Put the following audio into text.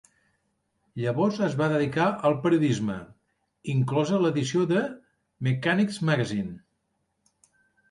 Llavors es va dedicar al periodisme, inclosa l'edició de "Mechanic's Magazine".